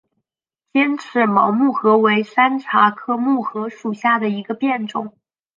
尖齿毛木荷为山茶科木荷属下的一个变种。